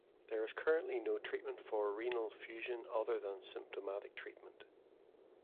There is currently no treatment for renal fusion other than symptomatic treatment.